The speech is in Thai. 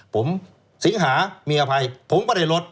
ผมสิงหามีอภัยผมก็ได้ลด